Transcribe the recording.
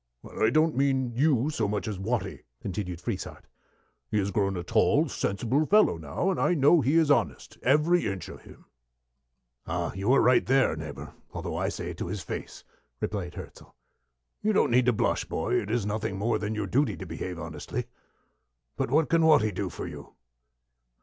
"I don't mean you so much as Watty," continued Frieshardt. "He has grown a tall, sensible fellow now, and I know he is honest, every inch of him." "Ah! you are right there, neighbor, although I say it to his face," replied Hirzel. "You don't need to blush, boy. It is nothing more than your duty to behave honestly. But what can Watty do for you?"